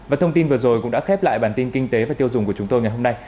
và thông tin vừa rồi cũng đã khép lại bản tin kinh tế và tiêu dùng của chúng tôi ngày hôm nay